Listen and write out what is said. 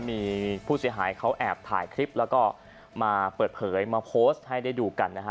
มีผู้เสียหายเขาแอบถ่ายคลิปแล้วก็มาเปิดเผยมาโพสต์ให้ได้ดูกันนะฮะ